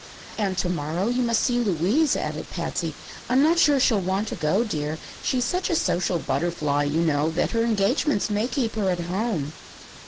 "And to morrow you must see Louise," added Patsy. "I'm not sure she'll want to go, dear. She's such a social butterfly, you know, that her engagements may keep her at home."